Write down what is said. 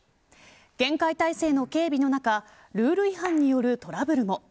厳戒態勢の警備の中ルール違反によるトラブルも。